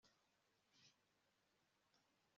yaho akicuza impamvu yakimbwiye